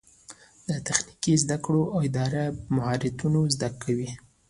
د تخنیکي زده کړو اداره مهارتونه زده کوي